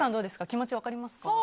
気持ち分かりますか？